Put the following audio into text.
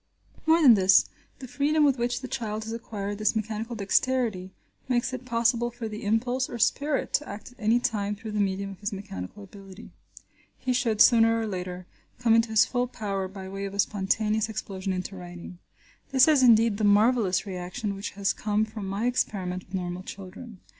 More than this, the freedom with which the child has acquired this mechanical dexterity makes it possible for the impulse or spirit to act at any time through the medium of his mechanical ability. He should, sooner or later, come into his full power by way of a spontaneous explosion into writing. This is, indeed, the marvellous reaction which has come from my experiment with normal children.